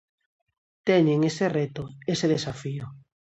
Teñen ese reto, ese desafío.